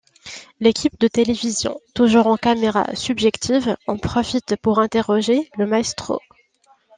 L'équipe de télévision, toujours en caméra subjective, en profite pour interroger le maestro.